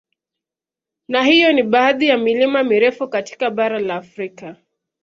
Na hiyo ni baadhi ya milima mirefu katika bara la Afrika